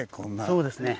そうですね。